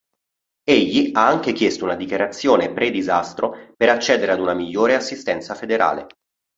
Egli ha anche chiesto una dichiarazione pre-disastro per accedere ad una migliore assistenza federale.